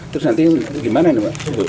terus nanti gimana ini pak